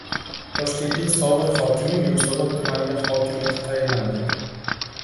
Toshkentning sobiq hokimi Yunusobod tumaniga hokim etib tayinlandi